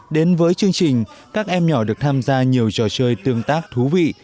đến với chương trình các em nhỏ được tham gia nhiều trò chơi tương tác thú vị